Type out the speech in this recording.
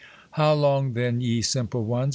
" How long then, ye simple ones!